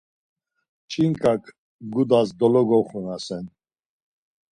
Ç̌inǩak gudas dologoxunasen.